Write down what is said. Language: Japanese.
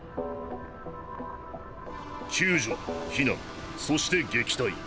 救助避難そして撃退。